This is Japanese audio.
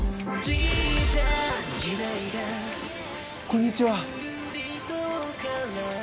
こんにちは。